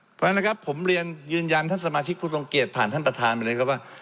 เพราะฉะนั้นนะครับผมเรียนยืนยันท่านสมาชิกผู้ทรงเกียจผ่านท่านประธานไปเลยครับว่า